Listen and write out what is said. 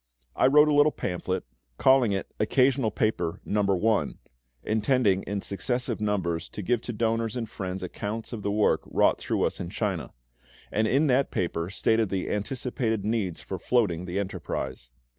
I wrote a little pamphlet, calling it "Occasional Paper, No. I." (intending in successive numbers to give to donors and friends accounts of the work wrought through us in China), and in that paper stated the anticipated needs for floating the enterprise.